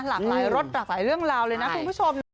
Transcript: หลากหลายรถหลากหลายเรื่องราวเลยนะคุณผู้ชมนะ